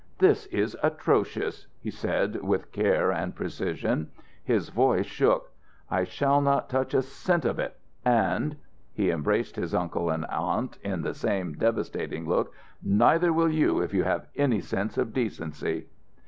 "This is atrocious!" he said, with care and precision. His voice shook. "I shall not touch a cent of it and" he embraced his uncle and aunt in the same devastating look "neither will you if you have any sense of decency."